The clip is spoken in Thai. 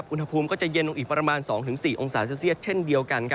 อุณหภูมิก็จะเย็นลงอีกประมาณ๒๔องศาเซลเซียตเช่นเดียวกัน